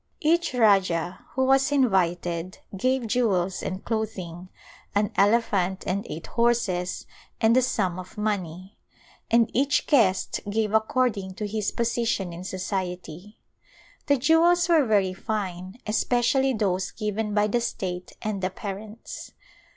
Each rajah who was invited gave jewels and clothing, an elephant and eight horses and a sum of money, and each guest gave according to his position in society. The jewels were very fine, especially those given by the state and the parents.